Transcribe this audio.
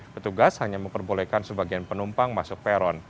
petugas hanya memperbolehkan sebagian penumpang masuk peron